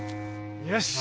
よし。